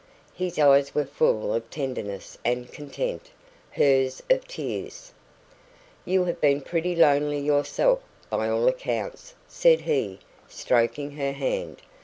His eyes were full of tenderness and content hers of tears. "You have been pretty lonely yourself, by all accounts," said he, stroking her hand.